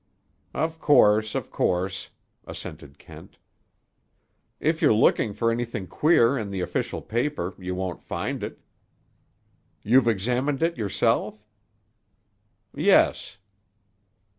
"Of course! Of course!" assented Kent. "If you're looking for anything queer in the official paper you won't find it." "You've examined it yourself?" "Yes."